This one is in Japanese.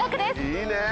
いいね。